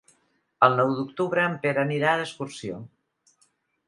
El nou d'octubre en Pere anirà d'excursió.